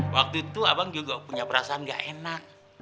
waktu itu abang juga punya perasaan gak enak